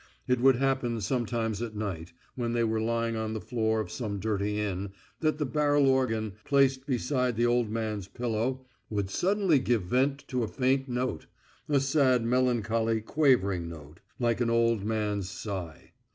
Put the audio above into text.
It would happen sometimes at night, when they were lying on the floor of some dirty inn, that the barrel organ, placed beside the old man's pillow, would suddenly give vent to a faint note, a sad melancholy quavering note, like an old man's sigh.